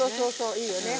いいよね。